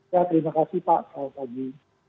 ya terima kasih pak pak fadli